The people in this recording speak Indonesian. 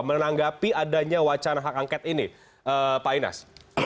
menanggapi adanya wacana hak angket ini pak inas